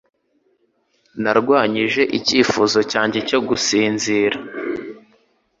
Narwanyije icyifuzo cyanjye cyo gusinzira